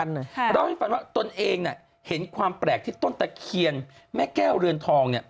เล่าให้ฟังว่าตนเองเห็นความแปลกที่ต้นตะเคียนแม่แก้วเรือนทองเนี่ย